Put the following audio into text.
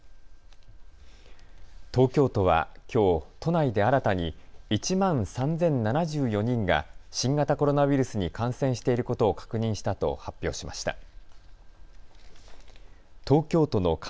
東京都はきょう、都内で新たに１万３０７４人が新型コロナウイルスに感染していることを確認したと発表しました。